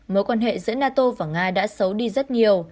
mối quan hệ giữa nato và nga đã xấu đi rất nhiều